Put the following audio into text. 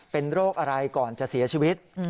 เป็นโรคอะไรก่อนจะเสียชีวิต